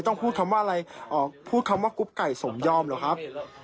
ต้องพูดคำว่าอะไรพูดคำว่ากรุ๊ปไก่สมยอมเหรอครับ